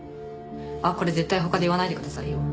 あっこれ絶対他で言わないでくださいよ。